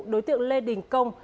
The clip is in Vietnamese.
đối tượng lê đình công